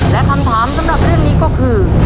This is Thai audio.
และคำถามสำหรับเรื่องนี้ก็คือ